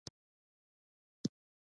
د کورن والیس تر ریاست لاندي کار کوي.